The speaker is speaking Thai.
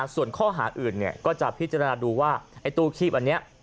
ส่วนข้อหาอื่นเนี่ยก็จะพิจารณาดูว่าตู้คีบอันเนี่ย